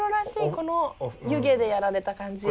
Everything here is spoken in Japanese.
この湯気でやられた感じ。